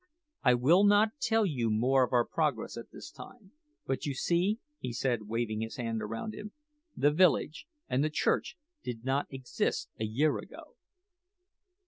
I will not tell you more of our progress at this time; but you see," he said, waving his hand around him, "the village, and the church did not exist a year ago!"